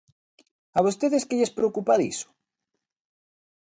¿A vostedes que lles preocupa diso?